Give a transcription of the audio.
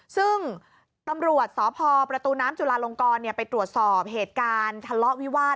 ซึ่งตำรวจสพประตูน้ำจุลาลงกรไปตรวจสอบเหตุการณ์ทะเลาะวิวาส